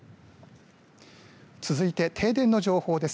続いて、停電の情報です。